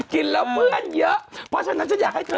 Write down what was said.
กินแล้วเพื่อนเยอะเพราะฉะนั้นฉันอยากให้เธอ